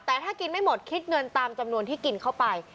แต่ถ้ากินไม่หมดคิดเงินตามจำนวนที่กินเข้าไป